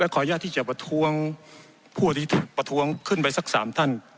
ขออนุญาตที่จะประท้วงผู้ที่ประท้วงขึ้นไปสัก๓ท่าน